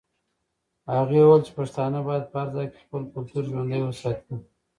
هغې وویل چې پښتانه باید په هر ځای کې خپل کلتور ژوندی وساتي.